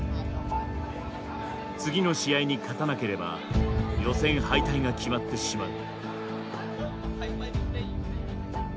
次の試合に勝たなければ予選敗退が決まってしまう。